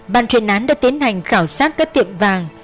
bàn truyền án đã tiến hành khảo sát các tiệm vàng